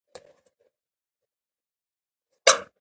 تعليم شوې نجونې د باور وړ همکاران روزي.